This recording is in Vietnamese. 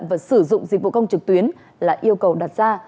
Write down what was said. và sử dụng dịch vụ công trực tuyến là yêu cầu đặt ra